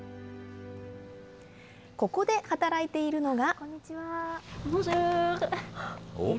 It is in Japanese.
ここで働いているのが。